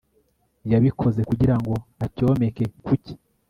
yabikoze kugira ngo acyomeke ku cye